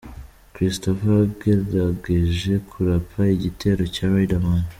" Christopher yagerageje kurapa igitero cya Riderman.